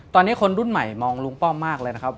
ตอนนี้คนรุ่นใหม่มองลุงป้อมมากเลยนะครับ